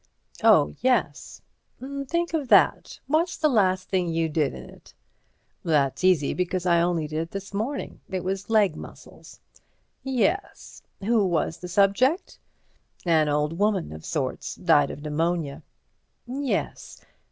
"Oh, yes." "Think of that. What's the last thing you did in it?" "That's easy, because I only did it this morning. It was leg muscles." "Yes. Who was the subject?" "An old woman of sorts; died of pneumonia." "Yes.